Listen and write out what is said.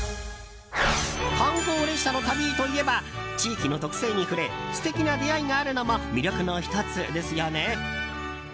観光列車の旅といえば地域の特性に触れ素敵な出会いがあるのも魅力の１つですよね。